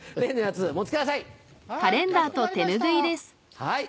はい。